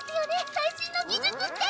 最新の技術って！